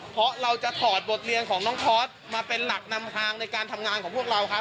เพราะเราจะถอดบทเรียนของน้องทอสมาเป็นหลักนำทางในการทำงานของพวกเราครับ